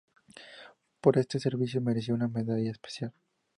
Por este servicio mereció una medalla especial.